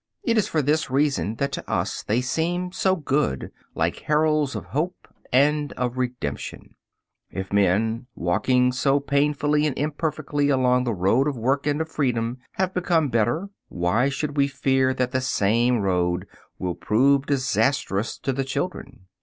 It is for this reason that to us they seem so good, like heralds of hope and of redemption. If men, walking as yet so painfully and imperfectly along the road of work and of freedom, have become better, why should we fear that the same road will prove disastrous to the children?